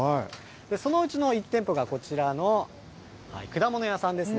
そのうちの１店舗がこちらの果物屋さんですね。